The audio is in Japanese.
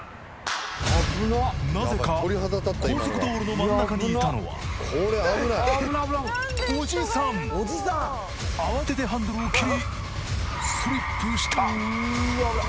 なぜか高速道路の真ん中にいたのは慌ててハンドルを切りスリップした